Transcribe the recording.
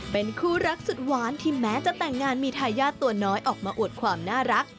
เป็นคู่รักสุดหวานที่แม้จะแต่งงานมีทายาทตัวน้อยออกมาอวดความน่ารัก